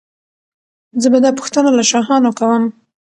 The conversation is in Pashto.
زه به دا پوښتنه له شاهانو کوم.